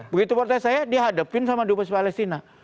begitu protes saya dihadepin sama dubes palestina